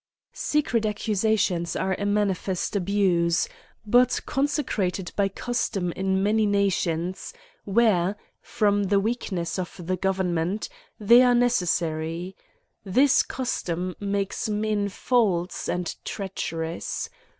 SECRET accusations are a manifest abuse, but consecrated by custom in many nations, where, from the weakness of the government, they are neces sary. This custom makes men false and treacher. ous.